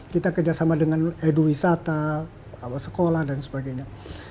kita kerjasama dengan edu wisata sekolah dan sebagainya